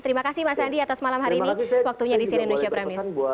terima kasih mas andi atas malam hari ini waktunya di siri indonesia prime news